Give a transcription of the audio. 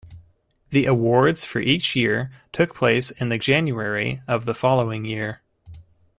The awards for each year took place in the January of the following year.